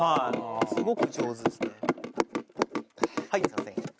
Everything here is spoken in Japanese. すいません。